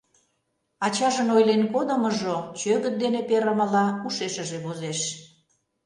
Ачажын ойлен кодымыжо чӧгыт дене перымыла ушешыже возеш.